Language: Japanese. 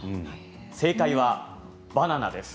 正解はバナナです。